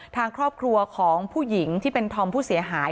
ทางครอบครัวของผู้หญิงที่เป็นธอมผู้เสียหาย